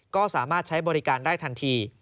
ก็สามารถใช้บริการได้ทันที